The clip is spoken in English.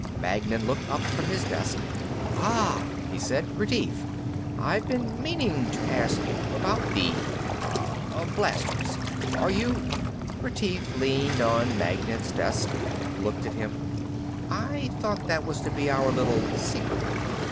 Magnan looked up from his desk. "Ah," he said. "Retief. I've been meaning to ask you. About the ... ah ... blasters. Are you ?" Retief leaned on Magnan's desk, looked at him. "I thought that was to be our little secret."